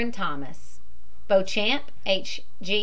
THOMAS. BEAUCHAMP, H.